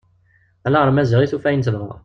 Ala ɣer Maziɣ i tufa ayen tebɣa.